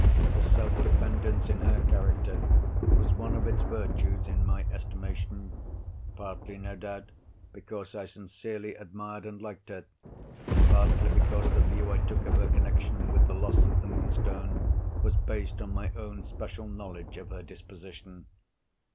The self dependence in her character, was one of its virtues in my estimation; partly, no doubt, because I sincerely admired and liked her; partly, because the view I took of her connexion with the loss of the Moonstone was based on my own special knowledge of her disposition.